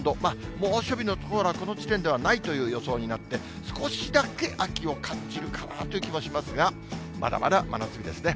猛暑日の所はこの地点ではないという予想になって、少しだけ秋を感じるかなという気もしますが、まだまだ真夏日ですね。